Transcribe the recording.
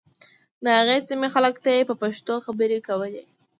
د هغې سیمې خلکو ته یې په پښتو خبرې وکړې.